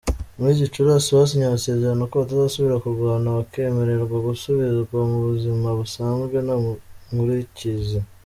Muri Gicurasi basinye amasezerano ko batazasubira kurwana bakemererwa gusubizwa mu buzima busanzwe nta nkurikizi.